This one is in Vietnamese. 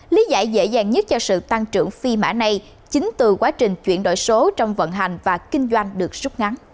lý giải dễ dàng nhất cho sự tăng trưởng phi mã này chính từ quá trình chuyển đổi số trong vận hành và kinh doanh được rút ngắn